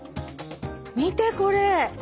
見てこれ。